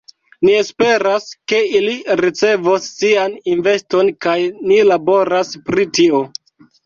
Ni esperas, ke ili rericevos sian investon kaj ni laboras pri tio.